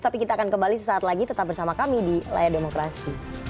tapi kita akan kembali sesaat lagi tetap bersama kami di layar demokrasi